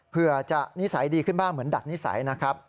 เผื่อจะนิสัยดีขึ้นบ้างเหมือนดัดนิสัยนะครับ